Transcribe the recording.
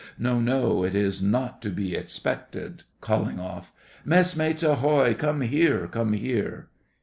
No, no, it's not to be expected! (Calling off.) Messmates, ahoy! Come here! Come here!